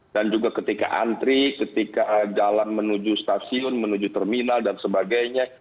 dan juga ketika antri ketika jalan menuju stasiun menuju terminal dan sebagainya